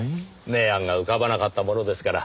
名案が浮かばなかったものですから。